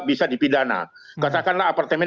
bisa dipidana katakanlah apartemen